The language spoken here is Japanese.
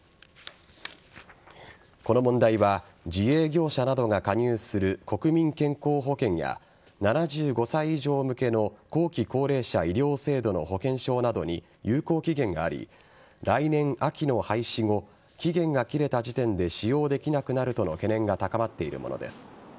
この問題は自営業者などが加入する国民健康保険や７５歳以上向けの後期高齢者医療制度の保険証などに有効期限があり来年秋の廃止後期限が切れた時点で使用できなくなるとの懸念が高まっているものです。